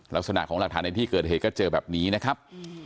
ลักษณะของหลักฐานในที่เกิดเหตุก็เจอแบบนี้นะครับ